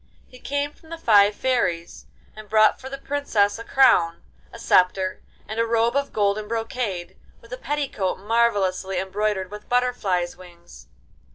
He came from the five fairies, and brought for the Princess a crown, a sceptre, and a robe of golden brocade, with a petticoat marvellously embroidered with butterflies' wings.